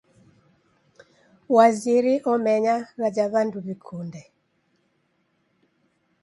Waziri omenya ghaja w'andu w'ikunde.